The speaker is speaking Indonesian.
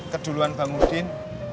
keduluan bang udin